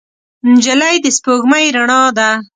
نجلۍ د سپوږمۍ رڼا ده.